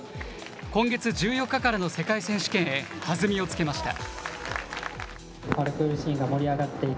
今月１４日からの世界選手権へ、弾みをつけました。